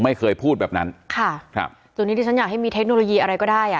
ไม่เคยพูดแบบนั้นค่ะครับตัวนี้ที่ฉันอยากให้มีเทคโนโลยีอะไรก็ได้อ่ะ